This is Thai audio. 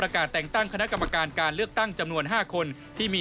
การเลือกตั้งจำนวน๕คนที่มี